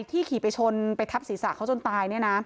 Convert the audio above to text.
ที่ขี่ไปชนไปทับศีรษะเขาจนตาย